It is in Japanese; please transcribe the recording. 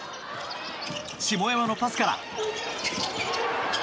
下山のパスから。